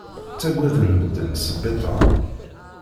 Ttagaden medden sbiṭar.